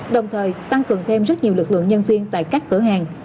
đồng thời tăng cường thêm rất nhiều lực lượng nhân viên tại các cửa hàng